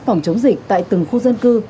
phòng chống dịch tại từng khu dân cư